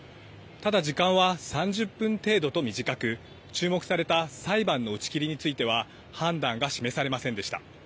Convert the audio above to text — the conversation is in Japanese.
ただ時間は３０分程度と短く、注目された裁判の打ち切りについては判断が示されませんでした。